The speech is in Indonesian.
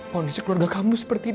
kondisi keluarga kamu seperti ini